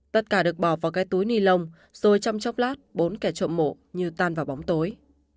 tất cả được bỏ vào cái túi nilon rồi trong chóc lát bốn kẻ trộm mộ như tan vào bóng tối